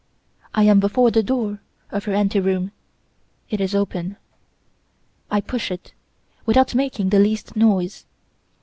I am before the door of her ante room it is open. I push it, without making the least noise.